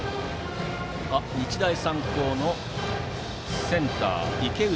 日大三高のセンター、池内